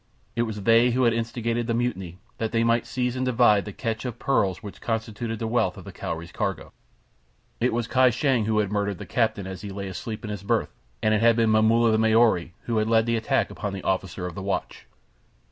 It was they who had instigated the mutiny that they might seize and divide the catch of pearls which constituted the wealth of the Cowrie's cargo. It was Kai Shang who had murdered the captain as he lay asleep in his berth, and it had been Momulla the Maori who had led the attack upon the officer of the watch.